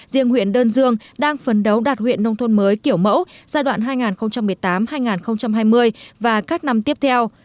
riêng huyện đơn dương đang phấn đấu đạt huyện nông thôn mới kiểu mẫu giai đoạn hai nghìn một mươi tám hai nghìn hai mươi và các năm tiếp theo